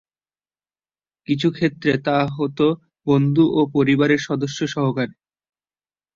কিছু ক্ষেত্রে তা হতো বন্ধু ও পরিবারের সদস্য সহকারে।